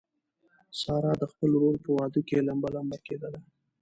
ساره د خپل ورور په واده کې لمبه لمبه کېدله.